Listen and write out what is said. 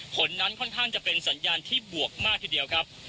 ผลนั้นค่อนข้างจะเป็นสัญญาณที่บวกมากทีเดียวครับ